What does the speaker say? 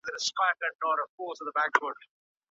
دغسي دوستي کله هم ښې پايلي نلري.